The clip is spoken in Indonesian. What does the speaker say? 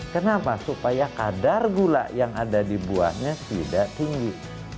kenapa supaya kadar gula yang ada di buahnya tidak tinggi